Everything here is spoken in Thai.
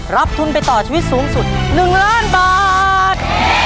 รับทุนไปต่อชีวิตสูงสุด๑ล้านบาท